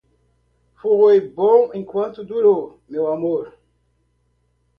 Foi bom enquanto durou, meu amor